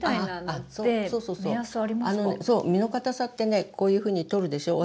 あのねそう実のかたさってねこういうふうに取るでしょう？